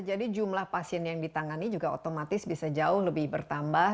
jadi jumlah pasien yang ditangani juga otomatis bisa jauh lebih bertambah